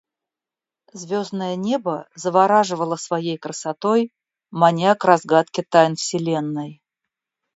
Звездное небо завораживало своей красотой, маня к разгадке тайн Вселенной.